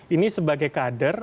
ini sebagai kader